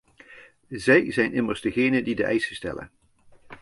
Zij zijn immers degenen die de eisen stellen.